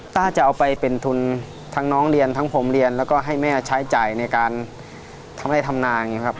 จะเอาไปเป็นทุนทั้งน้องเรียนทั้งผมเรียนแล้วก็ให้แม่ใช้จ่ายในการทำไร่ทำนาอย่างนี้ครับ